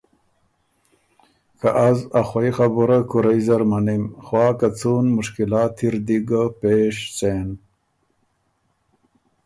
که از ا خوَئ خبره کُورئ اره زر مَنِم خوا که څُون مشکلات اِر دی ګۀ پېش سېن۔